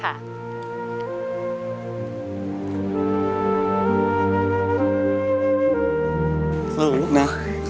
ครับลูกนะ